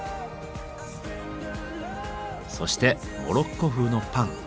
そしてモロッコ風のパン。